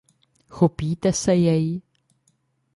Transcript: Chopíte se jej?